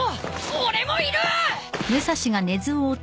俺もいる！